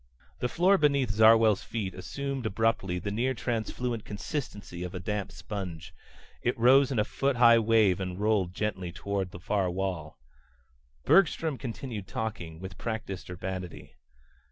The floor beneath Zarwell's feet assumed abruptly the near transfluent consistency of a damp sponge. It rose in a foot high wave and rolled gently toward the far wall. Bergstrom continued talking, with practiced urbanity.